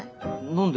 何で？